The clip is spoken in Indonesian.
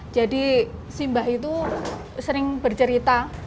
jadi si mbah itu sering bercerita